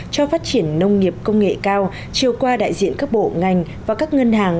cho phát triển nông nghiệp công nghệ cao chiều qua đại diện các bộ ngành và các ngân hàng